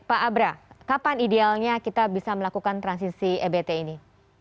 pak abra kapan idealnya kita bisa melakukan transisi ebt ini